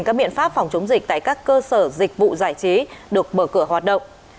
các biện pháp phòng chống dịch tại các cơ sở dịch vụ giải trí được mở cửa hoạt động